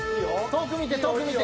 遠く見て遠く見て。